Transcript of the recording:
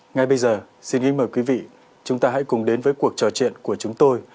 ngay bây giờ xin kính mời quý vị chúng ta hãy cùng đến với cuộc trò chuyện của chúng tôi